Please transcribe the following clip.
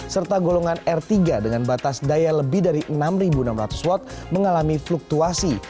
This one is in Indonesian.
serta golongan r tiga dengan batas daya lebih dari enam enam ratus watt mengalami fluktuasi